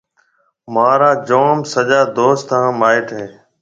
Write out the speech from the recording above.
مهارا جوم سجا دوست هانَ مائيٽ هيَ۔